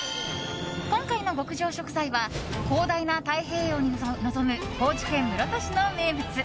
今回の極上食材は広大な太平洋を望む高知県室戸市の名物。